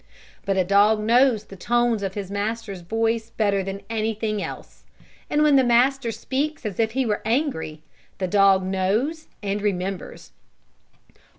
But a dog knows the tones of his master's voice better than anything else. And when the master speaks as if he were angry the dog knows, and remembers.